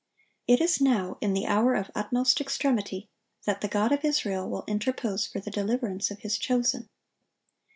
It is now, in the hour of utmost extremity, that the God of Israel will interpose for the deliverance of His chosen.